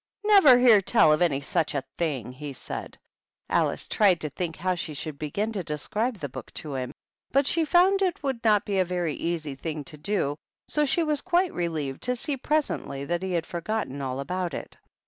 " Never hear tell of any such a thing," he said. Alice tried to think how she should begin to describe the book to him, but she found it would not be a very easy thing to do ; so she was quite relieved to see presently that he had forgotten all about it.